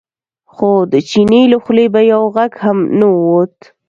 خو د چیني له خولې به یو غږ هم نه ووت.